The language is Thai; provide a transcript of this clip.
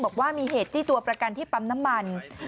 บอกว่ามีเหตุจี้ตัวประกันที่ปั๊มน้ำมัน